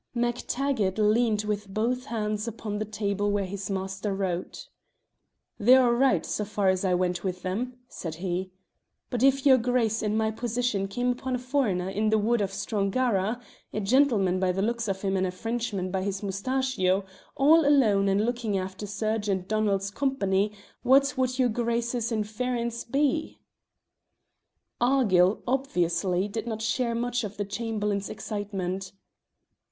MacTaggart leaned with both hands upon the table where his master wrote. "They're all right, so far as I went with them," said he; "but if your Grace in my position came upon a foreigner in the wood of Strongara a gentleman by the looks of him and a Frenchman by his moustachio, all alone and looking after Sergeant Donald's company, what would your Grace's inference be?" Argyll, obviously, did not share much of his Chamberlain's excitement.